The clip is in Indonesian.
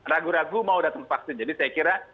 ragu ragu mau datang vaksin jadi saya kira